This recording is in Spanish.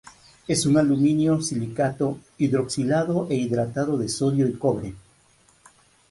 Es un alumino-silicato hidroxilado e hidratado de sodio y cobre.